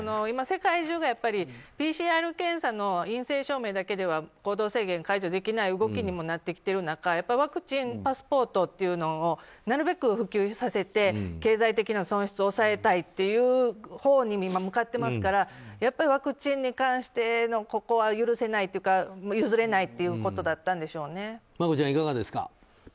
今、世界中がＰＣＲ検査の陰性証明だけでは行動制限を解除できない動きにもなってきてる中ワクチンパスポートというのをなるべく普及させて経済的な損失を抑えたいという方向に向かっていますからワクチンに関してのここは許せないというか譲れないということだったんでしょうね。